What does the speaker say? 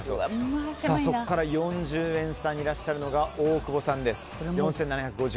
そこから４０円差にいらっしゃるのが大久保さん。